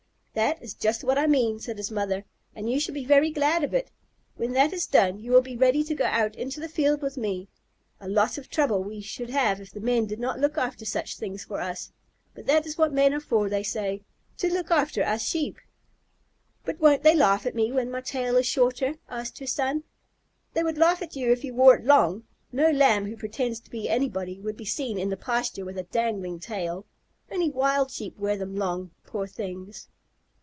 "That is just what I mean," said his mother, "and you should be very glad of it. When that is done, you will be ready to go out into the field with me. A lot of trouble we should have if the men did not look after such things for us; but that is what men are for, they say, to look after us Sheep." "But won't they laugh at me when my tail is shorter?" asked her son. "They would laugh at you if you wore it long. No Lamb who pretends to be anybody would be seen in the pasture with a dangling tail. Only wild Sheep wear them long, poor things!"